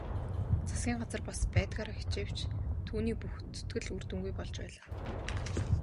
Засгийн газар бас байдгаараа хичээвч түүний бүх зүтгэл үр дүнгүй болж байлаа.